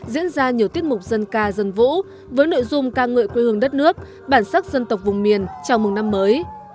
diễn ra nhiều tiết mục dân ca dân vũ với nội dung ca ngợi quê hương đất nước bản sắc dân tộc vùng miền chào mừng năm mới